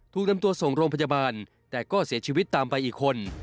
ถูกนำตัวส่งโรงพยาบาลแต่ก็เสียชีวิตตามไปอีกคน